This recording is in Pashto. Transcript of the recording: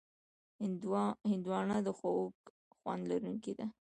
هندوانه د خوږ خوند لرونکې ده.